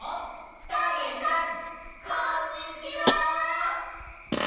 タネさんこんにちは！